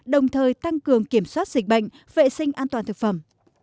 đồng thời tăng cường kiểm soát dịch bệnh vệ sinh an toàn thực phẩm